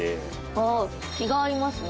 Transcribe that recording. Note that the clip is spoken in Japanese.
あっ気が合いますね。